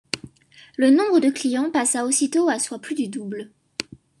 Le nombre de clients passa aussitôt à soit plus du double.